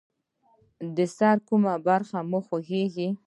د سر کومه برخه مو خوږیږي؟